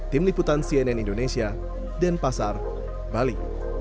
tim liputan cnn indonesia dan pasar bali